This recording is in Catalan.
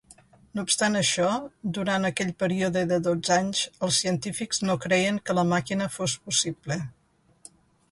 No obstant això, durant aquell període de dotze anys, els científics no creien que la màquina fos possible.